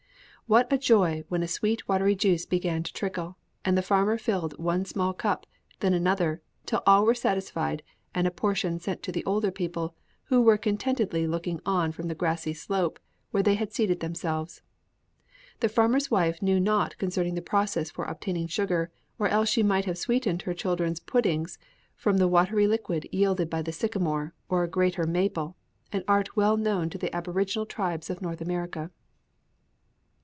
"'What joy when a sweet watery juice began to trickle! and the farmer filled one small cup, then another, till all were satisfied and a portion sent to the older people, who were contentedly looking on from the grassy slope where they had seated themselves. The farmer's wife knew naught concerning the process for obtaining sugar, or else she might have sweetened her children's puddings from the watery liquid yielded by the sycamore, or greater maple an art well known to the aboriginal tribes of North America.'"